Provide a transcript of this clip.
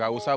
gak usah ya